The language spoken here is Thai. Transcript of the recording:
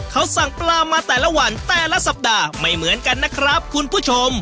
เขาสั่งปลามาแต่ละวันแต่ละสัปดาห์ไม่เหมือนกันนะครับคุณผู้ชม